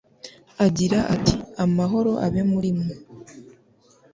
agira ati : "Amahoro abe muri mwe."